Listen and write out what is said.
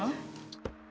ini aku mit